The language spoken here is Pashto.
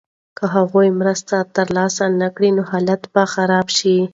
که هغوی مرسته ترلاسه نکړي نو حالت به خراب شي.